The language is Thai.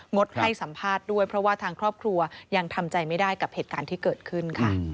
ดให้สัมภาษณ์ด้วยเพราะว่าทางครอบครัวยังทำใจไม่ได้กับเหตุการณ์ที่เกิดขึ้นค่ะ